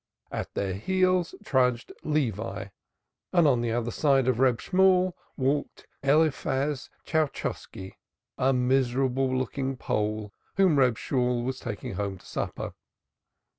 At their heels trudged Levi and on the other side of Reb Shemuel walked Eliphaz Chowchoski, a miserable looking Pole whom Reb Shemuel was taking home to supper.